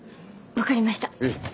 分かりました。